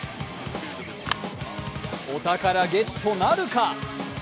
お宝ゲットなるか？